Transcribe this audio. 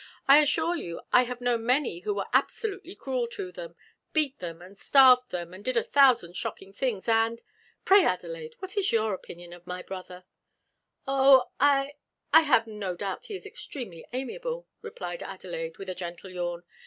I assure you I have known many who were absolutely cruel to them beat them, and starved them, and did a thousand shocking things; and " "Pray, Adelaide, what is your opinion of my brother" "Oh! I I have no doubt he is extremely amiable," replied Adelaide, with a gentle yawn.